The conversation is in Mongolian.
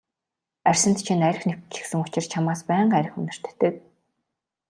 Арьсанд чинь архи нэвччихсэн учир чамаас байнга архи үнэртдэг.